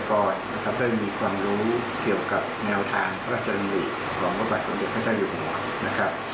เกษตรกรด้านมีความรู้เกี่ยวกับแนวทางพระราชดำนิตของพระบาทสมฤทธิพเจ้าอยู่บนหัว